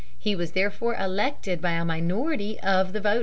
He was therefore elected by a minority of the voters.